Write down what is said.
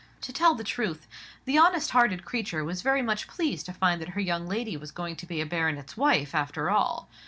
To tell the truth, the honest hearted creature was very much pleased to find that her young lady was going to be a baronet's wife, after all.